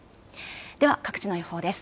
では各地の予報です。